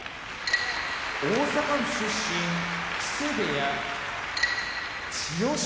大阪府出身木瀬部屋千代翔